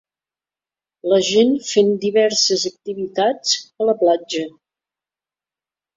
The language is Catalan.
La gent fent diverses activitats a la platja.